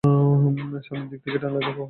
সামনের দিক থেকে টানলে হয়তো খুলবে।